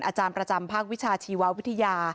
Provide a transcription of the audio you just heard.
อาจารย์ประจำภาควิชาชีววิทยา